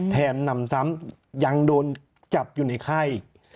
แถมนำซ้ำยังโดนจับอยู่ในค่าย